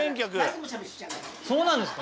そうなんですか？